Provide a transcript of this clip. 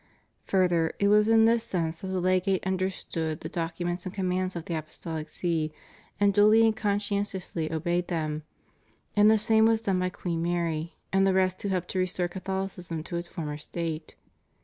Fur ther, it was in this sense that the Legate understood the documents and commands of the Apostolic See, and duly and conscientiously obeyed them; and the same was done by Queen Mary and the rest who helped to restore Catholicism to its former state.